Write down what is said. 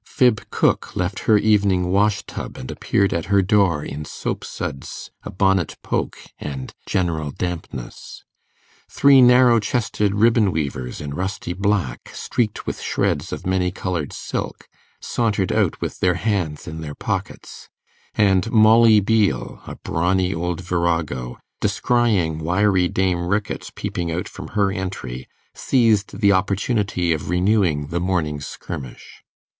Phib Cook left her evening wash tub and appeared at her door in soap suds, a bonnet poke, and general dampness; three narrow chested ribbon weavers, in rusty black streaked with shreds of many coloured silk, sauntered out with their hands in their pockets; and Molly Beale, a brawny old virago, descrying wiry Dame Ricketts peeping out from her entry, seized the opportunity of renewing the morning's skirmish.